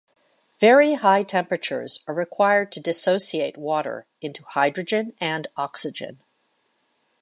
Very high temperatures are required to dissociate water into hydrogen and oxygen.